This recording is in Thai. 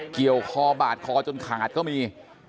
เกี่ยวคอบาดคอจนขาดก็มี